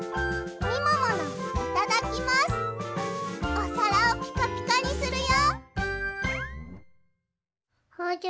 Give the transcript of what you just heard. おさらをピカピカにするよ！